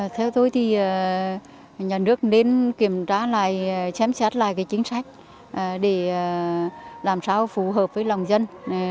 theo tôi thì nhà nước nên kiểm tra lại chém chát lại cái chính sách để làm sao phù hợp với lòng dân